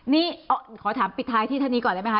นี่ขอถามปิดท้ายที่ท่านนี้ก่อนได้ไหมค